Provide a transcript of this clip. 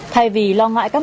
tại vì lo ngại các mặt